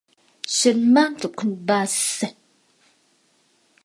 ฉันหมั้นกับคุณบาสเส็ต